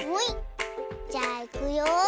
じゃあいくよ。